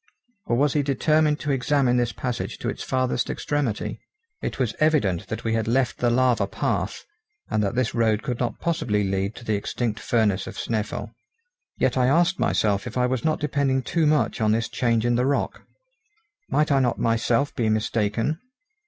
or was he determined to examine this passage to its farthest extremity? It was evident that we had left the lava path, and that this road could not possibly lead to the extinct furnace of Snæfell. Yet I asked myself if I was not depending too much on this change in the rock. Might I not myself be mistaken?